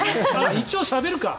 一応、しゃべるか。